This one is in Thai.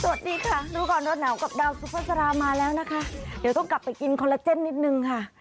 สวัสดีค่ะรู้ก่อนร้อนหนาวกับดาวสุภาษามาแล้วนะคะเดี๋ยวต้องกลับไปกินคอลลาเจนนิดนึงค่ะ